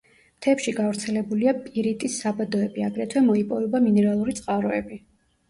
მთებში გავრცელებულია პირიტის საბადოები, აგრეთვე მოიპოვება მინერალური წყაროები.